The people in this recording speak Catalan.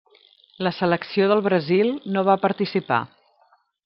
La selecció del Brasil no va participar.